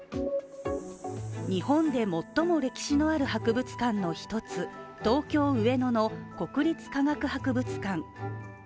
日本で最も歴史のある博物館の一つ、東京・上野の国立科学博物館。